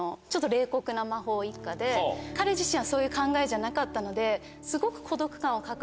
彼自身はそういう考えじゃなかったのですごく。